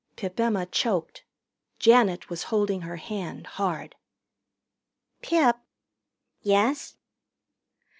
Pip Emma choked. Janet was holding her hand hard. "Pip " "Yes?"